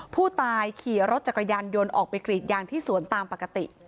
ผู้ตายขี่รถจักรยานยนต์ออกไปกรีดยางที่สวนตามปกติ